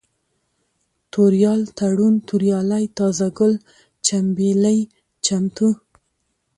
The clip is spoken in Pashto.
توريال ، تړون ، توريالی ، تازه گل ، چمبېلى ، چمتو